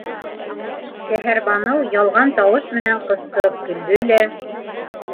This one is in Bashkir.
Шәһәрбаныу ялған тауыш менән ҡысҡырып көлдө лә: